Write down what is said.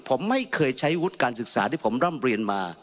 ผมไม่เคยใช้วุฒิการศึกษาที่ผมร่ำเรียนมา